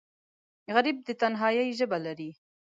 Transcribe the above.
غریب د تنهایۍ ژبه لري